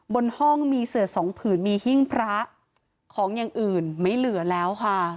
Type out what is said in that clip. บนห้องมีเสือสองผืนมีหิ้งพระของอย่างอื่นไม่เหลือแล้วค่ะ